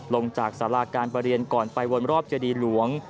ลงจากสาราการประเรียนก่อนไปวนรอบเจดีหลวง